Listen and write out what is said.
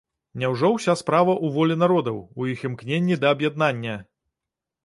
Няўжо ўся справа ў волі народаў, у іх імкненні да аб'яднання!